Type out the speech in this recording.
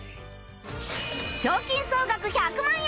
賞金総額１００万円！